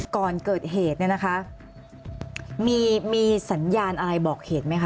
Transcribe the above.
ก่อนเกิดเหตุเนี่ยนะคะมีสัญญาณอะไรบอกเหตุไหมคะ